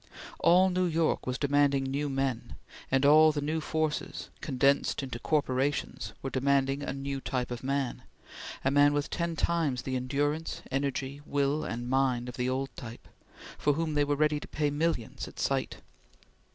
All New York was demanding new men, and all the new forces, condensed into corporations, were demanding a new type of man a man with ten times the endurance, energy, will and mind of the old type for whom they were ready to pay millions at sight.